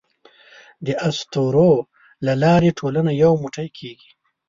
د اسطورو له لارې ټولنه یو موټی کېږي.